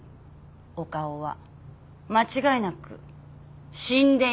岡尾は間違いなく死んでいる。